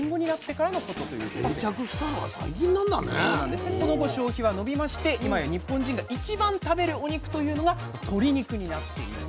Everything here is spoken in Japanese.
でその後消費は伸びまして今や日本人が一番食べるお肉というのが鶏肉になっていると。